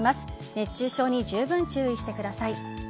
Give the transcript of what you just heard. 熱中症にじゅうぶん注意してください。